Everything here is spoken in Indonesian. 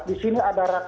di sini ada rakyat